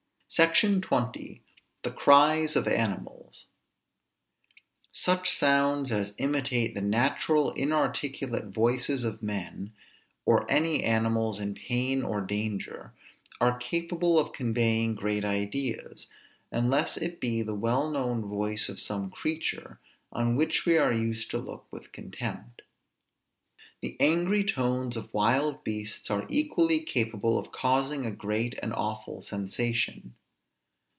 SECTION XX. THE CRIES OF ANIMALS. Such sounds as imitate the natural inarticulate voices of men, or any animals in pain or danger, are capable of conveying great ideas; unless it be the well known voice of some creature, on which we are used to look with contempt. The angry tones of wild beasts are equally capable of causing a great and awful sensation.